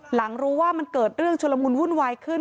หลังรู้ว่ามันเกิดเรื่องชุลมุนวุ่นวายขึ้น